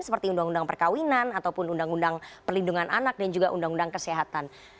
seperti undang undang perkawinan ataupun undang undang perlindungan anak dan juga undang undang kesehatan